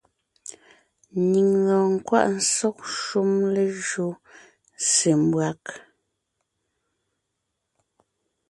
Nyìŋ lɔɔn nkwaʼ sɔ́g shúm lejÿó se mbÿág.